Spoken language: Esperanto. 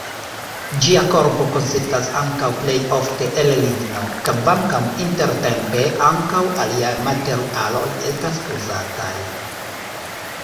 Ĝia korpo konsistas ankaŭ plejofte el ligno, kvankam intertempe ankaŭ aliaj materialoj estas uzataj.